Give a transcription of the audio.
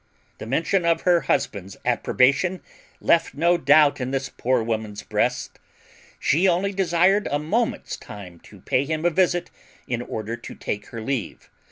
The mention of her husband's approbation left no doubt in this poor woman's breast; she only desired a moment's time to pay him a visit in order to take her leave.